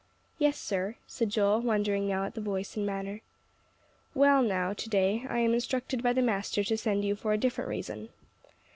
"Yes, sir," said Joel, wondering now at the voice and manner. "Well, now to day, I am instructed by the master to send for you for a different reason.